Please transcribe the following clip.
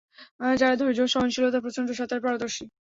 যারা ধৈর্য ও সহনশীলতায় প্রচণ্ড, সাঁতারে পারদর্শী।